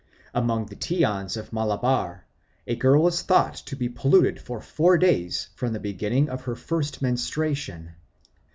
Among the Tiyans of Malabar a girl is thought to be polluted for four days from the beginning of her first menstruation.